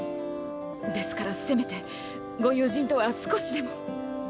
ですからせめてご友人とは少しでも。